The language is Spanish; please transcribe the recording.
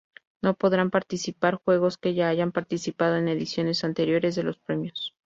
No podrán participar juegos que ya hayan participado en ediciones anteriores de los premios.